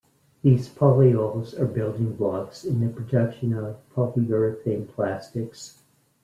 These polyols are building blocks in the production of polyurethane plastics.